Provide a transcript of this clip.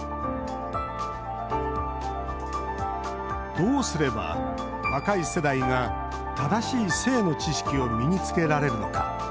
どうすれば、若い世代が正しい性の知識を身につけられるのか。